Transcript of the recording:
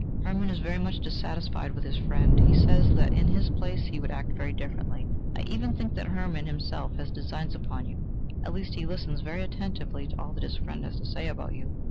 "Hermann is very much dissatisfied with his friend: he says that in his place he would act very differently... I even think that Hermann himself has designs upon you; at least, he listens very attentively to all that his friend has to say about you."